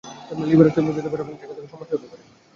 লিভারেও চর্বি জমে যেতে পারে এবং সেখান থেকে সমস্যা হতে পারে।